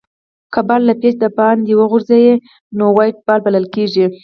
که بال له پيچ دباندي وغورځي؛ نو وایډ بال بلل کیږي.